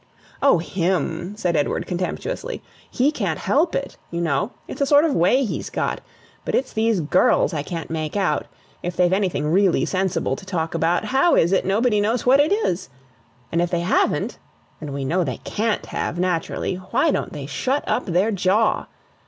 "O HIM," said Edward contemptuously: "he can't help it, you know; it's a sort of way he's got. But it's these girls I can't make out. If they've anything really sensible to talk about, how is it nobody knows what it is? And if they haven't and we know they CAN'T have, naturally why don't they shut up their jaw?